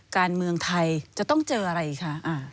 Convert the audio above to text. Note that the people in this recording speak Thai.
การเมืองไทยจะต้องเจออะไรอีกคะ